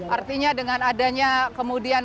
artinya dengan adanya kemudian